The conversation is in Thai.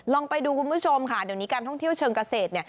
ลองไปดูคุณผู้ชมค่ะเดี๋ยวนี้การท่องเที่ยวเชิงเกษตรเนี่ย